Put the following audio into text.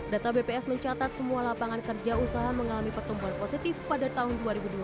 data bps mencatat semua lapangan kerja usaha mengalami pertumbuhan positif pada tahun dua ribu dua puluh